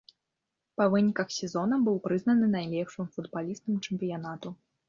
Па выніках сезона быў прызнаны найлепшым футбалістам чэмпіянату.